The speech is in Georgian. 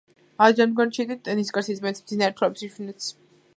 ადრე ამდგარი ჩიტი ნისკარტს იწმენდს, მძინარა - თვალებს იფშვნეტს.